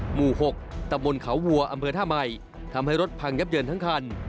หมู่๖ตำบลเขาวัวอำเภอท่าใหม่ทำให้รถพังยับเยินทั้งคัน